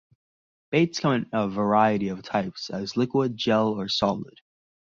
Baits come in a variety of types, as liquid, gel, or solid.